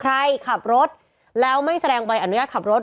ใครขับรถแล้วไม่แสดงใบอนุญาตขับรถ